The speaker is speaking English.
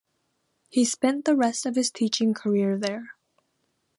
He spent the rest of his teaching career there.